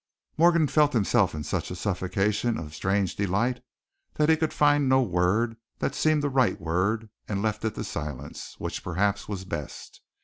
Morgan felt himself in such a suffocation of strange delight he could find no word that seemed the right word, and left it to silence, which, perhaps was best.